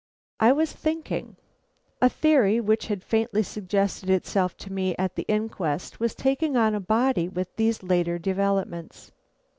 I was thinking. A theory which had faintly suggested itself to me at the inquest was taking on body with these later developments.